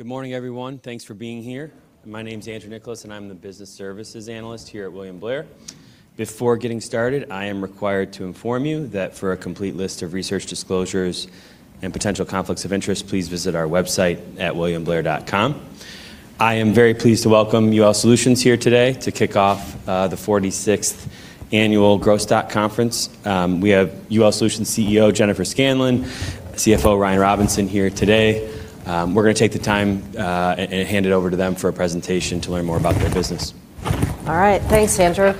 Good morning, everyone. Thanks for being here. My name's Andrew Nicholas, and I'm the business services analyst here at William Blair. Before getting started, I am required to inform you that for a complete list of research disclosures and potential conflicts of interest, please visit our website at williamblair.com. I am very pleased to welcome UL Solutions here today to kick off the 46th Annual Growth Stock Conference. We have UL Solutions Chief Executive Officer, Jennifer Scanlon, Chief Financial Officer, Ryan Robinson, here today. We're going to take the time and hand it over to them for a presentation to learn more about their business. All right. Thanks, Andrew.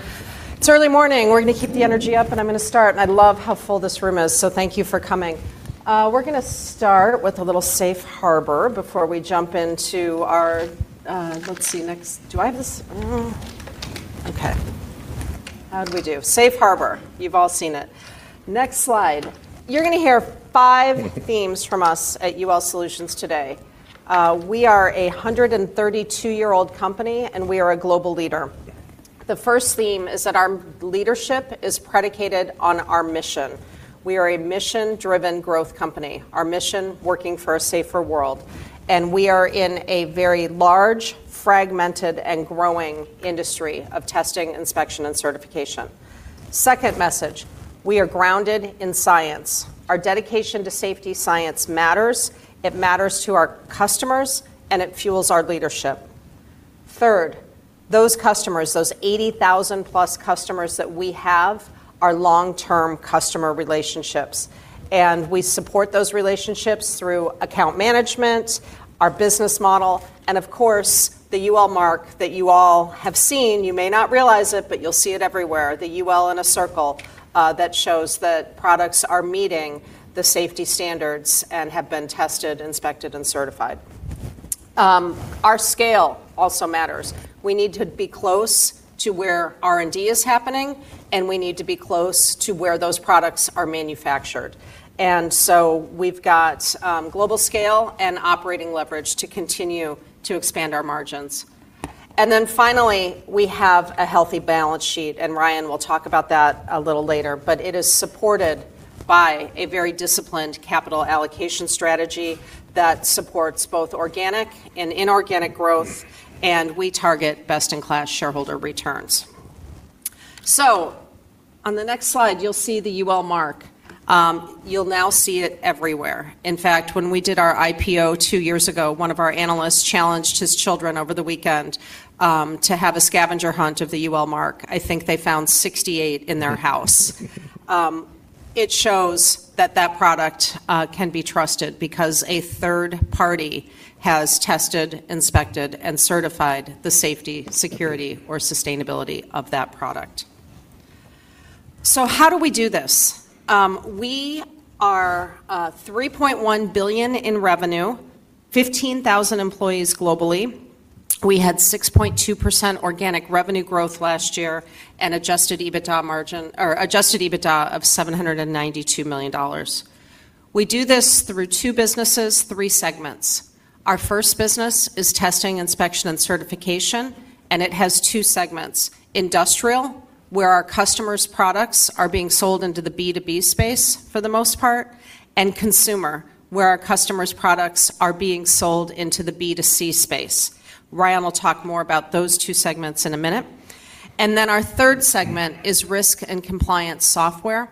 It's early morning. We're going to keep the energy up, and I'm going to start. I love how full this room is, so thank you for coming. We're going to start with a little safe harbor before we jump into our next. Do I have this? Okay. How'd we do? Safe harbor. You've all seen it. Next slide. You're going to hear five themes from us at UL Solutions today. We are a 132-year-old company, and we are a global leader. The first theme is that our leadership is predicated on our mission. We are a mission-driven growth company, our mission, working for a safer world, and we are in a very large, fragmented, and growing industry of testing, inspection, and certification. Second message, we are grounded in science. Our dedication to safety science matters. It matters to our customers, and it fuels our leadership. Third, those customers, those 80,000+ customers that we have, are long-term customer relationships, and we support those relationships through account management, our business model, and of course, the UL Mark that you all have seen. You may not realize it, but you'll see it everywhere. The UL in a circle that shows that products are meeting the safety standards and have been tested, inspected, and certified. Our scale also matters. We need to be close to where R&D is happening, and we need to be close to where those products are manufactured. We've got global scale and operating leverage to continue to expand our margins. Finally, we have a healthy balance sheet, and Ryan will talk about that a little later, but it is supported by a very disciplined capital allocation strategy that supports both organic and inorganic growth, and we target best-in-class shareholder returns. On the next slide, you'll see the UL Mark. You'll now see it everywhere. In fact, when we did our IPO two years ago, one of our analysts challenged his children over the weekend to have a scavenger hunt of the UL Mark. I think they found 68 in their house. It shows that product can be trusted because a third party has tested, inspected, and certified the safety, security, or sustainability of that product. How do we do this? We are $3.1 billion in revenue, 15,000 employees globally. We had 6.2% organic revenue growth last year and adjusted EBITDA of $792 million. We do this through two businesses, three segments. Our first business is testing, inspection, and certification, and it has two segments. Industrial, where our customers' products are being sold into the B2B space for the most part, and Consumer, where our customers' products are being sold into the B2C space. Ryan will talk more about those two segments in a minute. Our third segment is Risk and Compliance Software.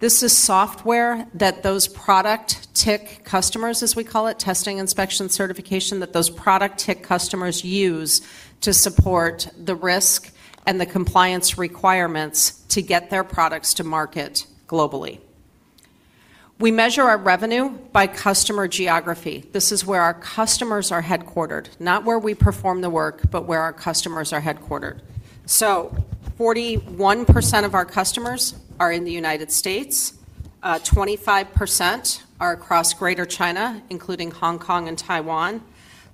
This is software that those product TIC customers as we call it, testing, inspection, certification, that those product TIC customers use to support the risk and the compliance requirements to get their products to market globally. We measure our revenue by customer geography. This is where our customers are headquartered. Not where we perform the work, but where our customers are headquartered. 41% of our customers are in the U.S., 25% are across Greater China, including Hong Kong and Taiwan,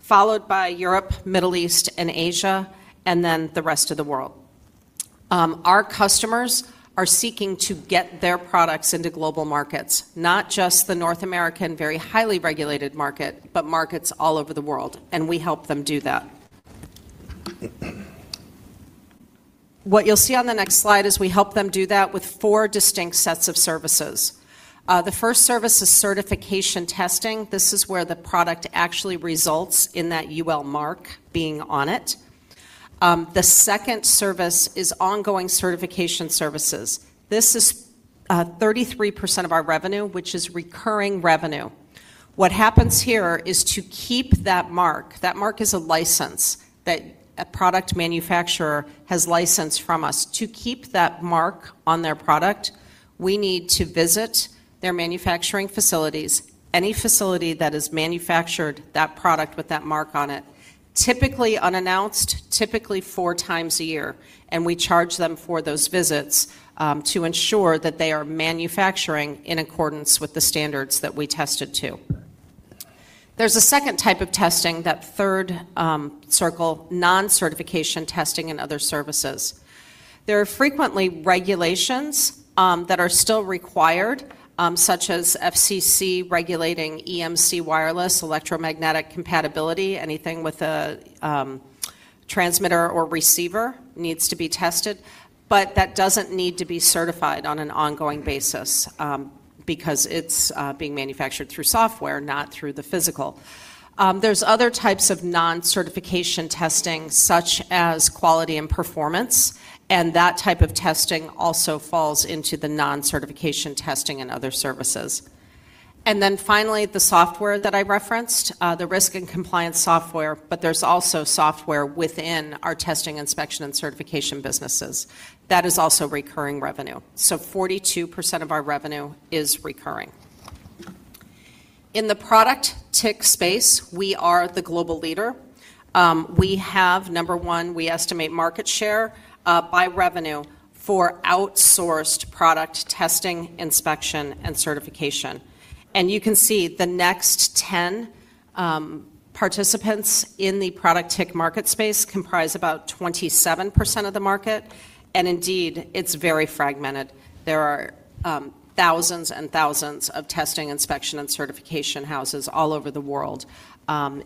followed by Europe, Middle East, and Asia, and then the rest of the world. Our customers are seeking to get their products into global markets, not just the North American very highly regulated market, but markets all over the world, and we help them do that. What you'll see on the next slide is we help them do that with four distinct sets of services. The first service is certification testing. This is where the product actually results in that UL Mark being on it. The second service is ongoing certification services. This is 33% of our revenue, which is recurring revenue. What happens here is to keep that Mark, that Mark is a license that a product manufacturer has licensed from us. To keep that UL Mark on their product, we need to visit their manufacturing facilities, any facility that has manufactured that product with that UL Mark on it, typically unannounced, typically four times a year, and we charge them for those visits to ensure that they are manufacturing in accordance with the standards that we tested to. There's a second type of testing, that third circle, non-certification testing and other services. There are frequently regulations that are still required, such as FCC regulating EMC wireless, electromagnetic compatibility, anything with a transmitter or receiver needs to be tested. That doesn't need to be certified on an ongoing basis because it's being manufactured through software, not through the physical. There's other types of non-certification testing, such as quality and performance. That type of testing also falls into the non-certification testing and other services. Finally, the software that I referenced, the risk and compliance software, but there's also software within our testing, inspection, and certification businesses. That is also recurring revenue. 42% of our revenue is recurring. In the product TIC space, we are the global leader. We have number one, we estimate market share by revenue for outsourced product testing, inspection, and certification. You can see the next 10 participants in the product TIC market space comprise about 27% of the market, and indeed, it's very fragmented. There are thousands and thousands of testing, inspection, and certification houses all over the world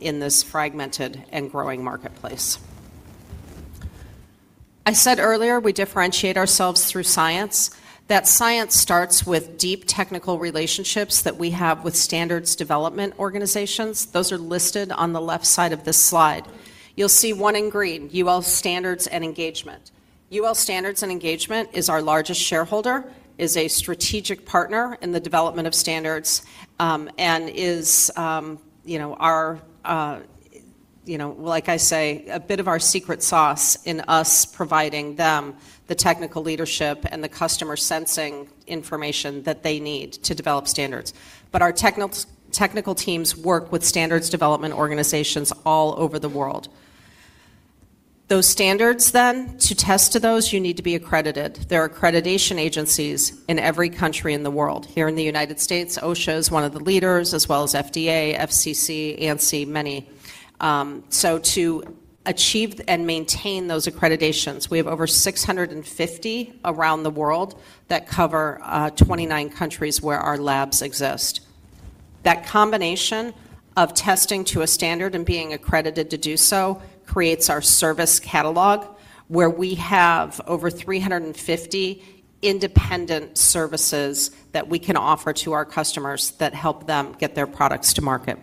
in this fragmented and growing marketplace. I said earlier we differentiate ourselves through science. That science starts with deep technical relationships that we have with standards development organizations. Those are listed on the left side of this slide. You'll see one in green, UL Standards & Engagement. UL Standards & Engagement is our largest shareholder, is a strategic partner in the development of standards, and is a bit of our secret sauce in us providing them the technical leadership and the customer sensing information that they need to develop standards. Our technical teams work with standards development organizations all over the world. Those standards then, to test to those, you need to be accredited. There are accreditation agencies in every country in the world. Here in the U.S., OSHA is one of the leaders, as well as FDA, FCC, ANSI, many. To achieve and maintain those accreditations, we have over 650 around the world that cover 29 countries where our labs exist. That combination of testing to a standard and being accredited to do so creates our service catalog, where we have over 350 independent services that we can offer to our customers that help them get their products to market.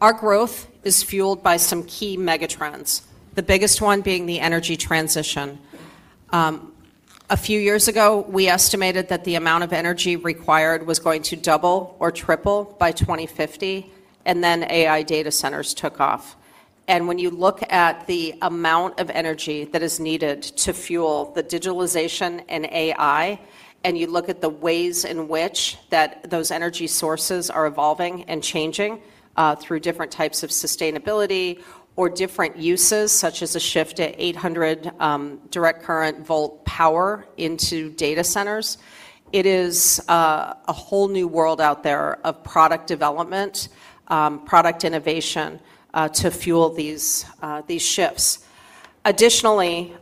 Our growth is fueled by some key megatrends, the biggest one being the energy transition. A few years ago, we estimated that the amount of energy required was going to double or triple by 2050, and then AI data centers took off. When you look at the amount of energy that is needed to fuel the digitalization and AI, and you look at the ways in which those energy sources are evolving and changing through different types of sustainability or different uses, such as a shift to 800 direct current volt power into data centers, it is a whole new world out there of product development, product innovation to fuel these shifts. Additionally,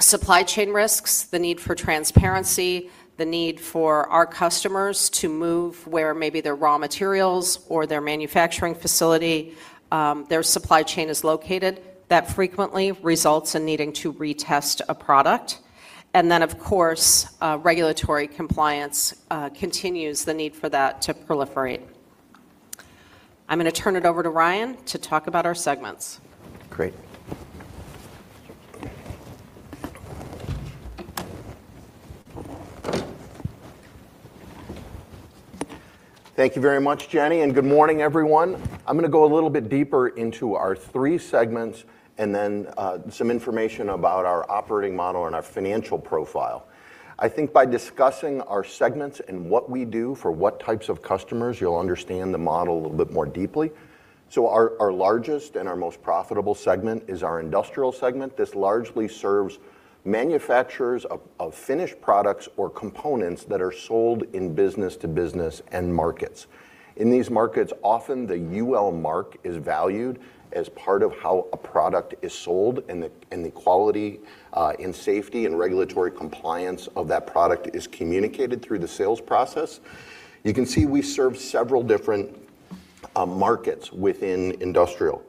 supply chain risks, the need for transparency, the need for our customers to move where maybe their raw materials or their manufacturing facility, their supply chain is located, that frequently results in needing to retest a product. Then, of course, regulatory compliance continues the need for that to proliferate. I'm going to turn it over to Ryan to talk about our segments. Great. Thank you very much, Jenny, good morning, everyone. I'm going to go a little bit deeper into our three segments and then some information about our operating model and our financial profile. I think by discussing our segments and what we do for what types of customers, you'll understand the model a little bit more deeply. Our largest and our most profitable segment is our Industrial segment. This largely serves manufacturers of finished products or components that are sold in business-to-business end markets. In these markets, often the UL Mark is valued as part of how a product is sold, and the quality, and safety, and regulatory compliance of that product is communicated through the sales process. You can see we serve several different markets within industrial.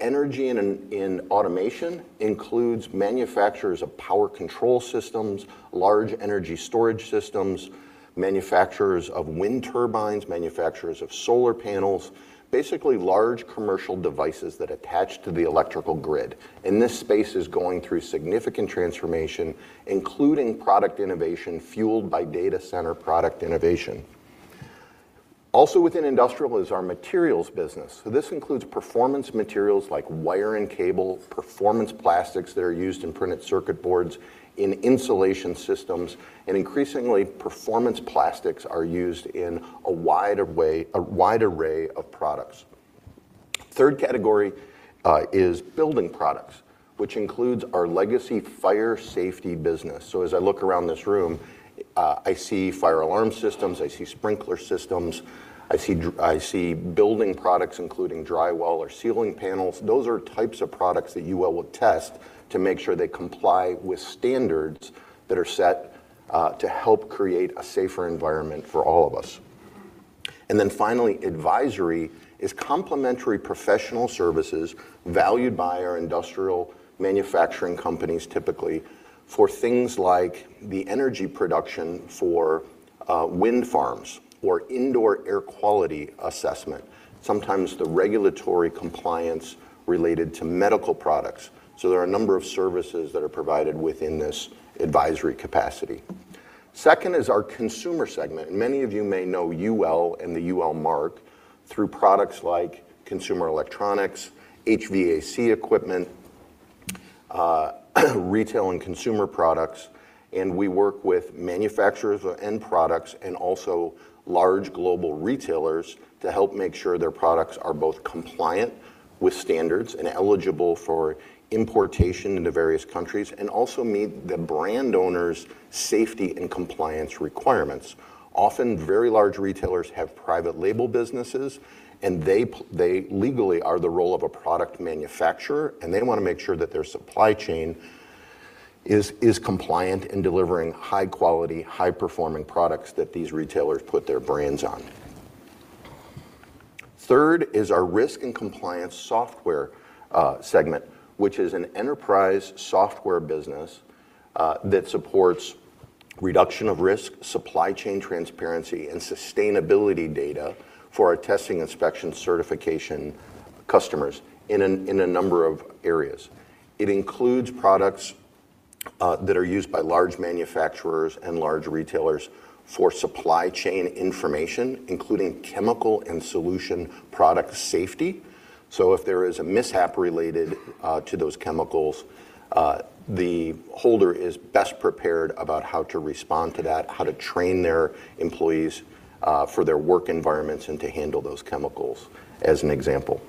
Energy and automation includes manufacturers of power control systems, large energy storage systems, manufacturers of wind turbines, manufacturers of solar panels, basically large commercial devices that attach to the electrical grid. This space is going through significant transformation, including product innovation fueled by data center product innovation. Also within industrial is our materials business. This includes performance materials like wire and cable, performance plastics that are used in printed circuit boards, in insulation systems, and increasingly, performance plastics are used in a wide array of products. Third category is building products, which includes our legacy fire safety business. As I look around this room, I see fire alarm systems, I see sprinkler systems, I see building products, including drywall or ceiling panels. Those are types of products that UL will test to make sure they comply with standards that are set to help create a safer environment for all of us. Then finally, advisory is complementary professional services valued by our industrial manufacturing companies, typically for things like the energy production for wind farms or indoor air quality assessment, sometimes the regulatory compliance related to medical products. There are a number of services that are provided within this advisory capacity. Second is our consumer segment. Many of you may know UL and the UL Mark through products like consumer electronics, HVAC equipment, retail and consumer products, and we work with manufacturers of end products and also large global retailers to help make sure their products are both compliant with standards and eligible for importation into various countries, and also meet the brand owner's safety and compliance requirements. Often, very large retailers have private label businesses and they legally are the role of a product manufacturer, they want to make sure that their supply chain is compliant in delivering high quality, high performing products that these retailers put their brands on. Third is our risk and compliance software segment, which is an enterprise software business that supports reduction of risk, supply chain transparency, and sustainability data for our testing, inspection, certification customers in a number of areas. It includes products that are used by large manufacturers and large retailers for supply chain information, including chemical and solution product safety. If there is a mishap related to those chemicals, the holder is best prepared about how to respond to that, how to train their employees for their work environments, and to handle those chemicals, as an example.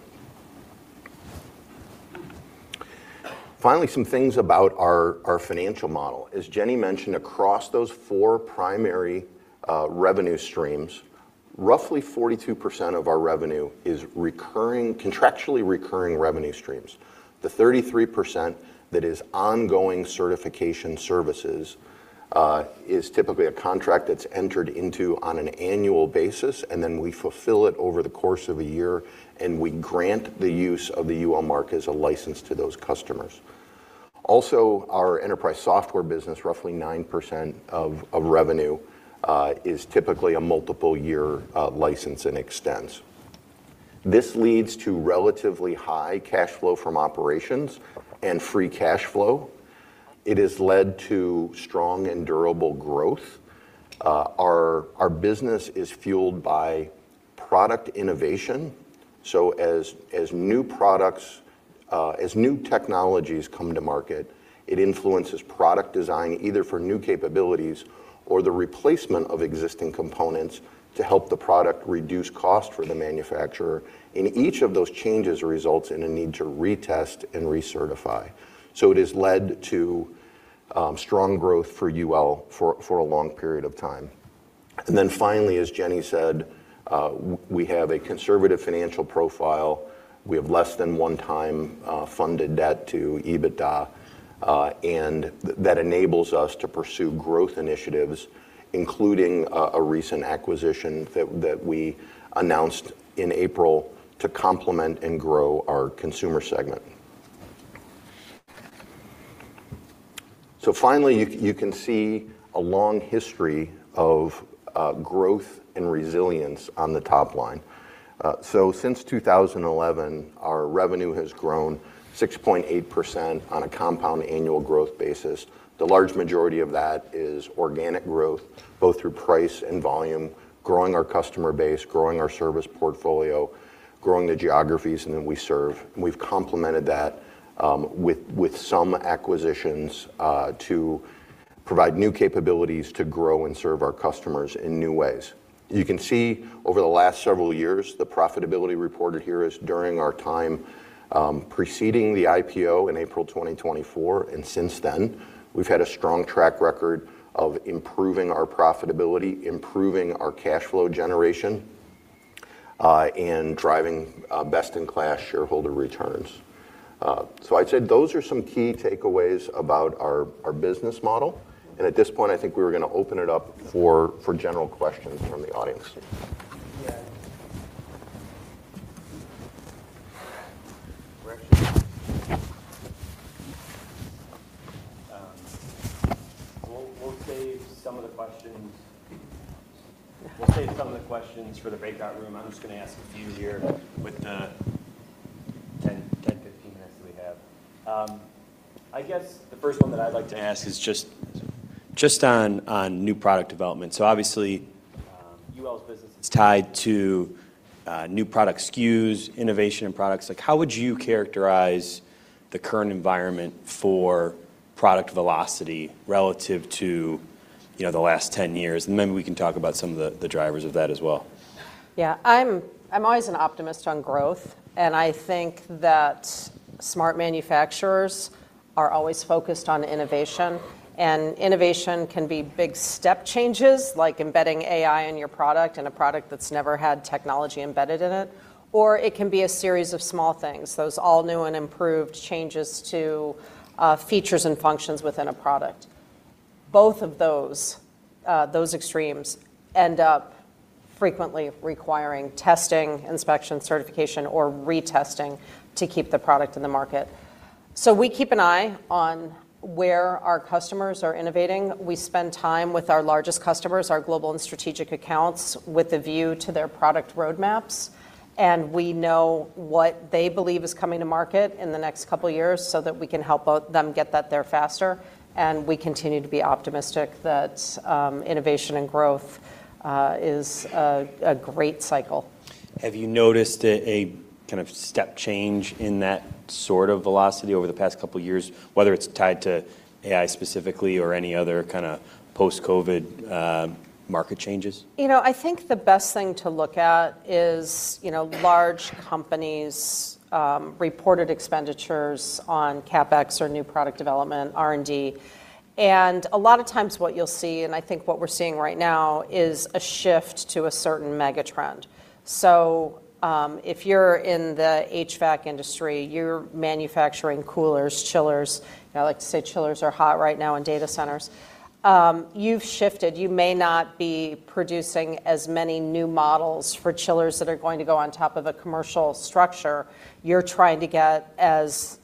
Finally, some things about our financial model. As Jenny mentioned, across those four primary revenue streams, roughly 42% of our revenue is contractually recurring revenue streams. The 33% that is ongoing certification services is typically a contract that's entered into on an annual basis, and then we fulfill it over the course of a year, and we grant the use of the UL Mark as a license to those customers. Our enterprise software business, roughly 9% of revenue, is typically a multiple year license and extends. This leads to relatively high cash flow from operations and free cash flow. It has led to strong and durable growth. Our business is fueled by product innovation, so as new technologies come to market, it influences product design, either for new capabilities or the replacement of existing components to help the product reduce cost for the manufacturer. Each of those changes results in a need to retest and recertify. It has led to strong growth for UL for a long period of time. Finally, as Jenny said, we have a conservative financial profile. We have less than one time funded debt to EBITDA, and that enables us to pursue growth initiatives, including a recent acquisition that we announced in April to complement and grow our consumer segment. Finally, you can see a long history of growth and resilience on the top line. Since 2011, our revenue has grown 6.8% on a compound annual growth basis. The large majority of that is organic growth, both through price and volume, growing our customer base, growing our service portfolio, growing the geographies in that we serve. We've complemented that with some acquisitions, to provide new capabilities to grow and serve our customers in new ways. You can see over the last several years, the profitability reported here is during our time preceding the IPO in April 2024. Since then, we've had a strong track record of improving our profitability, improving our cash flow generation, and driving best-in-class shareholder returns. I'd say those are some key takeaways about our business model. At this point, I think we were going to open it up for general questions from the audience. Yeah. We'll save some of the questions for the breakout room. I'm just going to ask a few here with the 10 minutes, 15 minutes that we have. I guess the first one that I'd like to ask is just on new product development. Obviously, UL's business is tied to new product SKUs, innovation in products. How would you characterize the current environment for product velocity relative to the last 10 years? Maybe we can talk about some of the drivers of that as well. Yeah. I'm always an optimist on growth. I think that smart manufacturers are always focused on innovation. Innovation can be big step changes, like embedding AI in your product, in a product that's never had technology embedded in it, or it can be a series of small things, those all new and improved changes to features and functions within a product. Both of those extremes end up frequently requiring testing, inspection, certification or retesting to keep the product in the market. We keep an eye on where our customers are innovating. We spend time with our largest customers, our global and strategic accounts, with a view to their product roadmaps. We know what they believe is coming to market in the next couple of years so that we can help them get that there faster. We continue to be optimistic that innovation and growth is a great cycle. Have you noticed a kind of step change in that sort of velocity over the past couple of years, whether it's tied to AI specifically or any other kind of post-COVID market changes? I think the best thing to look at is large companies' reported expenditures on CapEx or new product development, R&D. A lot of times what you'll see, and I think what we're seeing right now, is a shift to a certain mega trend. If you're in the HVAC industry, you're manufacturing coolers, chillers. I like to say chillers are hot right now in data centers. You've shifted. You may not be producing as many new models for chillers that are going to go on top of a commercial structure. You're trying to get as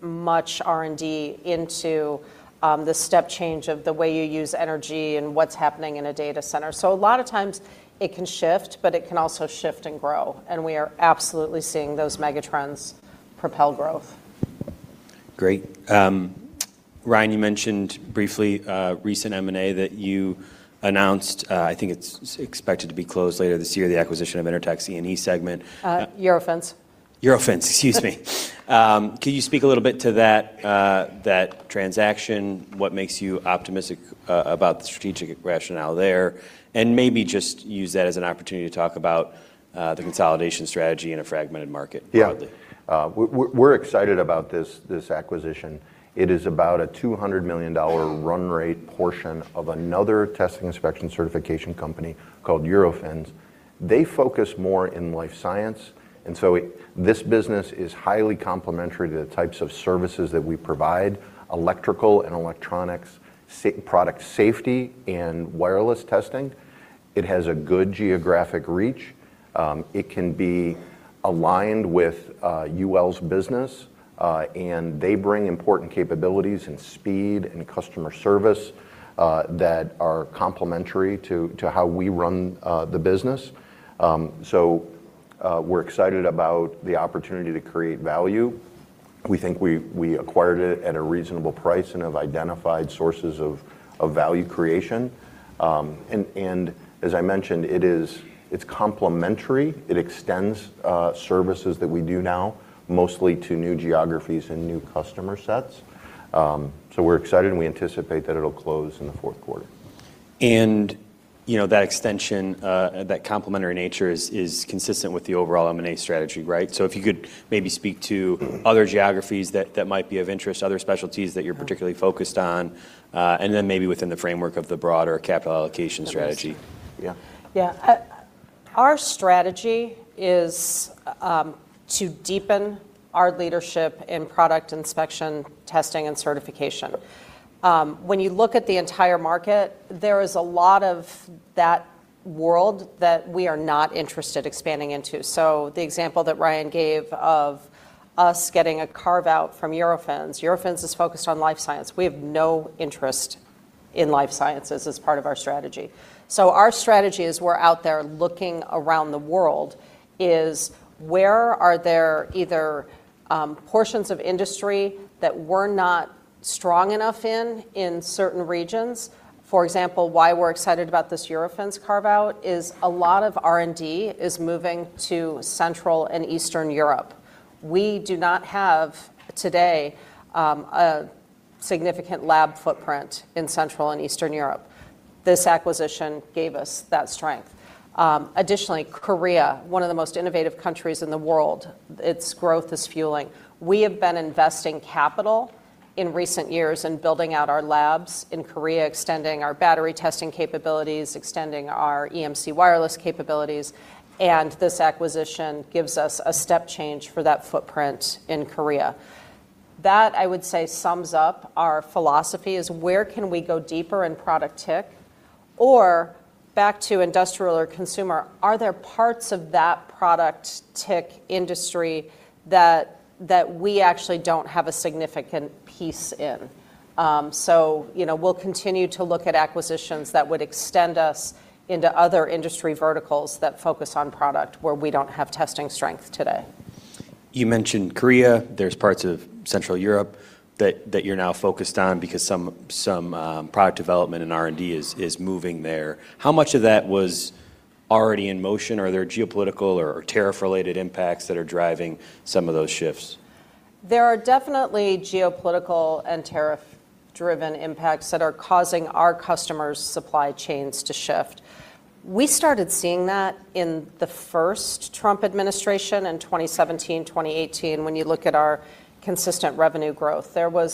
much R&D into the step change of the way you use energy and what's happening in a data center. A lot of times it can shift, but it can also shift and grow. We are absolutely seeing those mega trends propel growth. Great. Ryan, you mentioned briefly a recent M&A that you announced. I think it's expected to be closed later this year, the acquisition of Intertek's E&E segment. Eurofins. Eurofins, excuse me. Can you speak a little bit to that transaction? What makes you optimistic about the strategic rationale there? Maybe just use that as an opportunity to talk about the consolidation strategy in a fragmented market broadly. Yeah. We're excited about this acquisition. It is about a $200 million run rate portion of another testing, inspection, certification company called Eurofins. They focus more in life science. This business is highly complementary to the types of services that we provide, electrical and electronics, product safety and wireless testing. It has a good geographic reach. It can be aligned with UL's business. They bring important capabilities and speed and customer service that are complementary to how we run the business. We're excited about the opportunity to create value. We think we acquired it at a reasonable price and have identified sources of value creation. As I mentioned, it's complementary. It extends services that we do now, mostly to new geographies and new customer sets. We're excited, and we anticipate that it'll close in the fourth quarter. That extension, that complementary nature is consistent with the overall M&A strategy, right? If you could maybe speak to other geographies that might be of interest, other specialties that you're particularly focused on, and then maybe within the framework of the broader capital allocation strategy. Yeah. Yeah. Our strategy is to deepen our leadership in product inspection, testing, and certification. When you look at the entire market, there is a lot of that world that we are not interested expanding into. The example that Ryan gave of us getting a carve-out from Eurofins. Eurofins is focused on life science. We have no interest in life sciences as part of our strategy. Our strategy as we're out there looking around the world is where are there either portions of industry that we're not strong enough in certain regions? For example, why we're excited about this Eurofins carve-out is a lot of R&D is moving to Central and Eastern Europe. We do not have, today, a significant lab footprint in Central and Eastern Europe. This acquisition gave us that strength. Additionally, Korea, one of the most innovative countries in the world, its growth is fueling. We have been investing capital in recent years in building out our labs in Korea, extending our battery testing capabilities, extending our EMC wireless capabilities. This acquisition gives us a step change for that footprint in Korea. That, I would say, sums up our philosophy, is where can we go deeper in product TIC? Back to industrial or consumer, are there parts of that product TIC industry that we actually don't have a significant piece in? We'll continue to look at acquisitions that would extend us into other industry verticals that focus on product where we don't have testing strength today. You mentioned Korea. There's parts of Central Europe that you're now focused on because some product development and R&D is moving there. How much of that was already in motion? Are there geopolitical or tariff-related impacts that are driving some of those shifts? There are definitely geopolitical and tariff-driven impacts that are causing our customers' supply chains to shift. We started seeing that in the first Trump administration in 2017, 2018 when you look at our consistent revenue growth. I always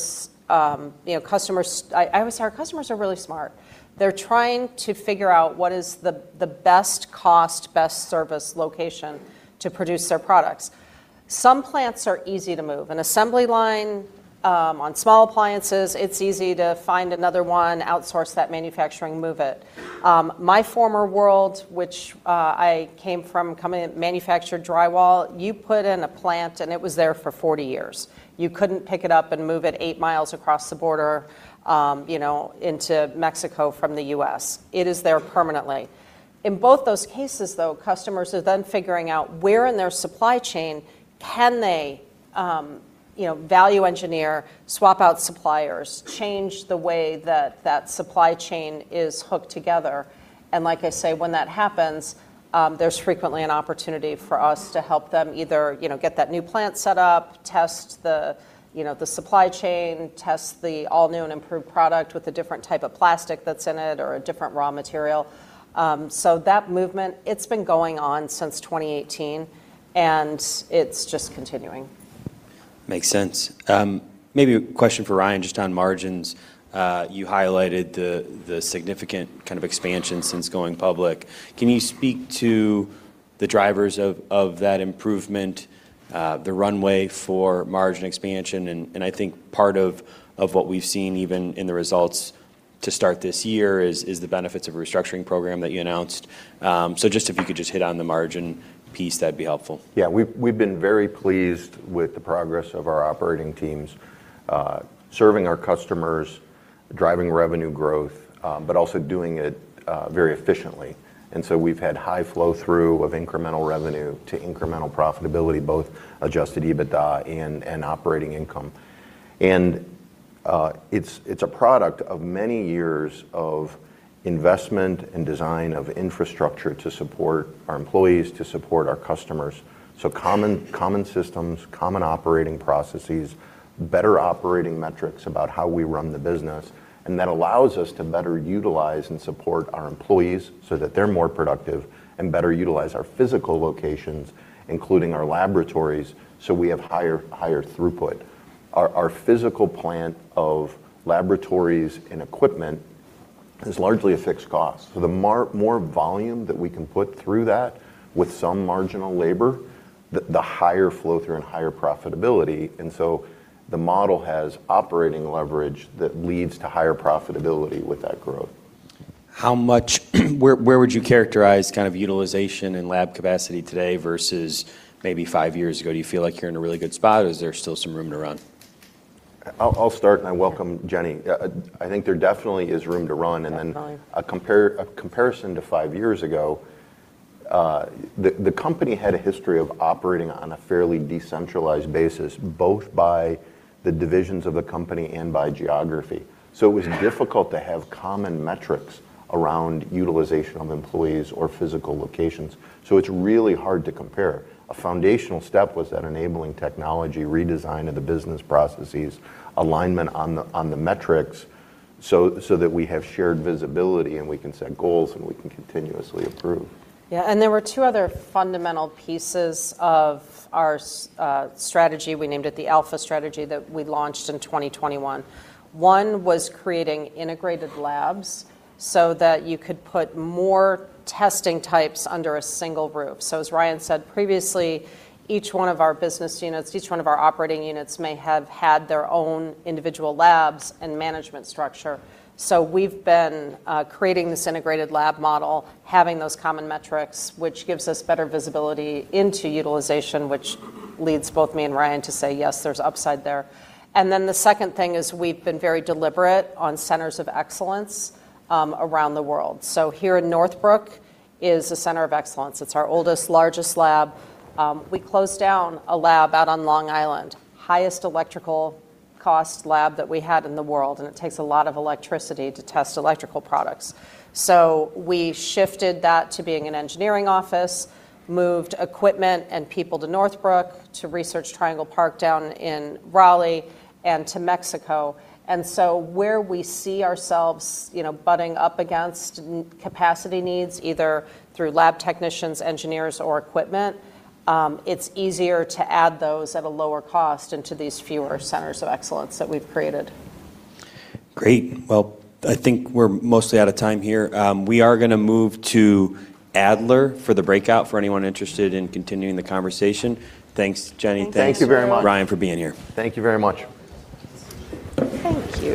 say our customers are really smart. They're trying to figure out what is the best cost, best service location to produce their products. Some plants are easy to move. An assembly line, on small appliances, it's easy to find another one, outsource that manufacturing, move it. My former world, which I came from manufactured drywall, you put in a plant and it was there for 40 years. You couldn't pick it up and move it 8 mi across the border, into Mexico from the U.S. It is there permanently. In both those cases, though, customers are then figuring out where in their supply chain can they value engineer, swap out suppliers, change the way that that supply chain is hooked together. Like I say, when that happens, there's frequently an opportunity for us to help them either get that new plant set up, test the supply chain, test the all-new and improved product with a different type of plastic that's in it or a different raw material. That movement, it's been going on since 2018, and it's just continuing. Makes sense. Maybe a question for Ryan, just on margins. You highlighted the significant kind of expansion since going public. Can you speak to the drivers of that improvement, the runway for margin expansion, and I think part of what we've seen even in the results to start this year is the benefits of a restructuring program that you announced. If you could just hit on the margin piece, that'd be helpful. Yeah. We've been very pleased with the progress of our operating teams, serving our customers, driving revenue growth, but also doing it very efficiently. We've had high flow-through of incremental revenue to incremental profitability, both adjusted EBITDA and operating income. It's a product of many years of investment and design of infrastructure to support our employees, to support our customers. Common systems, common operating processes, better operating metrics about how we run the business, and that allows us to better utilize and support our employees so that they're more productive and better utilize our physical locations, including our laboratories, so we have higher throughput. Our physical plant of laboratories and equipment is largely a fixed cost, so the more volume that we can put through that with some marginal labor, the higher flow-through and higher profitability. The model has operating leverage that leads to higher profitability with that growth. Where would you characterize kind of utilization and lab capacity today versus maybe five years ago? Do you feel like you're in a really good spot, or is there still some room to run? I'll start. I welcome Jenny. I think there definitely is room to run. Definitely Then a comparison to five years ago, the company had a history of operating on a fairly decentralized basis, both by the divisions of the company and by geography. It was difficult to have common metrics around utilization of employees or physical locations, so it's really hard to compare. A foundational step was that enabling technology redesign of the business processes, alignment on the metrics so that we have shared visibility and we can set goals and we can continuously improve. There were two other fundamental pieces of our strategy, we named it the Alpha strategy, that we launched in 2021. One was creating integrated labs so that you could put more testing types under a single roof. As Ryan said previously, each one of our business units, each one of our operating units may have had their own individual labs and management structure. We've been creating this integrated lab model, having those common metrics, which gives us better visibility into utilization, which leads both me and Ryan to say yes, there's upside there. The second thing is we've been very deliberate on centers of excellence around the world. Here in Northbrook is a center of excellence. It's our oldest, largest lab. We closed down a lab out on Long Island, highest electrical cost lab that we had in the world, and it takes a lot of electricity to test electrical products. We shifted that to being an engineering office, moved equipment and people to Northbrook, to Research Triangle Park down in Raleigh, and to Mexico. Where we see ourselves butting up against capacity needs, either through lab technicians, engineers, or equipment, it's easier to add those at a lower cost into these fewer centers of excellence that we've created. Great. Well, I think we're mostly out of time here. We are going to move to Adler for the breakout, for anyone interested in continuing the conversation. Thanks, Jenny. Thank you very much. Thanks, Ryan, for being here. Thank you very much.